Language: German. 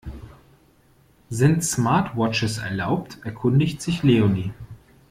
Sind Smartwatches erlaubt, erkundigt sich Leonie.